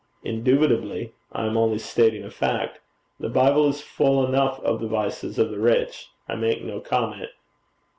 'Indubitably. I am only stating a fact. The Bible is full enough of the vices of the rich. I make no comment.'